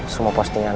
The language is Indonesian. semua posting aner